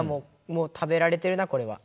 もう食べられてるなこれは。